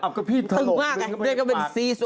อ้าวก็พี่ทะลกเลยทะลกมากไงเรียกว่าเป็นซีสุ